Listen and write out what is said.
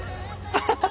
ハハハハ！